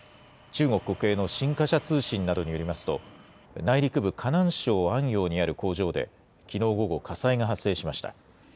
中国国営の新華社通信などによりますと、内陸部、河南省安陽にある工場で、きのう午後、火災が発生しました。